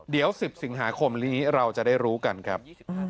เดี๋ยว๑๐สิงหาคมนี้เราจะได้รู้กันครับ